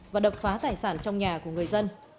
và đập phá tài sản trong nhà của người dân